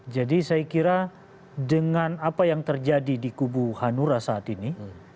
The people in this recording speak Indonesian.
jadi saya kira dengan apa yang terjadi di kubu hanura saat ini